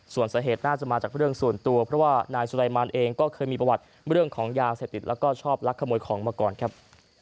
ส่วนสาเหตุน่าจะมาจากเรื่องส่วนตัวเพราะว่านายสุรายมานเองก็เคยมีประวัติเรื่องของยาเสพติดแล้วก็ชอบลักขโมยของมาก่อนครับ